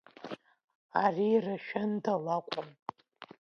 Ари Рашәында лакәын.